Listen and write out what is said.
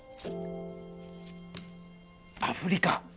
アフリカ。